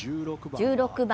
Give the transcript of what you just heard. １６番